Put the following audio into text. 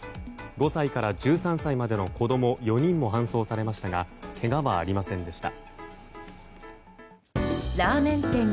５歳から１３歳までの子供４人も搬送されましたがけがはありませんでした。